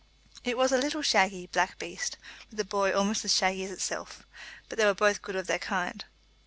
It was a little shaggy, black beast, with a boy almost as shaggy as itself, but they were both good of their kind.